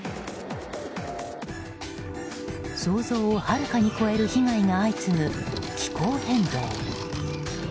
想像をはるかに超える被害が相次ぐ、気候変動。